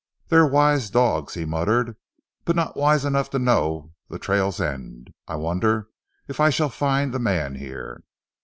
"They're wise dogs," he muttered, "but not wise enough to know the trail's end. I wonder if I shall find the man here."